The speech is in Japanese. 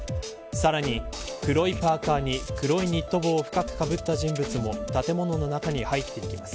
さらに、黒いパーカに黒いニット帽を深くかぶった人物も建物の中に入っていきます。